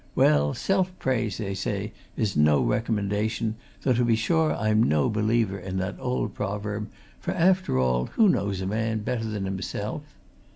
Well, self praise, they say, is no recommendation, though to be sure I'm no believer in that old proverb, for, after all, who knows a man better than himself?